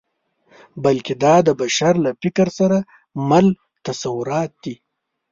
بلکې دا د بشر له فکر سره مل تصورات دي.